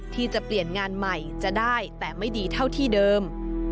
ที่จะเปลี่ยนงานใหม่จะได้แต่ไม่ดีเท่าที่เดิม